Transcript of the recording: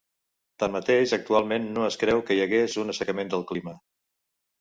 Tanmateix actualment no es creu que hi hagués un assecament del clima.